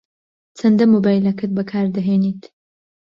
چەندە مۆبایلەکەت بەکار دەهێنیت؟